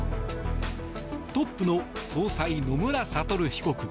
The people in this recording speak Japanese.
トップの総裁・野村悟被告